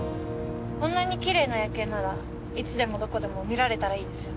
こんなにきれいな夜景ならいつでもどこでも見られたらいいですよね。